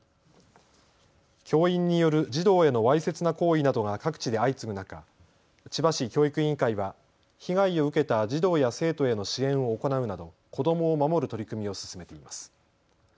教員による児童へのわいせつな行為などが各地で相次ぐ中、千葉市教育委員会は被害を受けた児童や生徒への支援を行うなど子どもを守る取り組みを進めています。